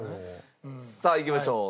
さあいきましょう。